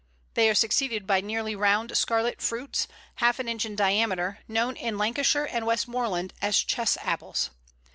They are succeeded by nearly round scarlet fruits, half an inch in diameter, known in Lancashire and Westmoreland as Chess apples.